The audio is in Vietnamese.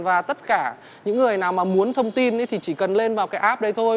và tất cả những người nào mà muốn thông tin thì chỉ cần lên vào cái app đấy thôi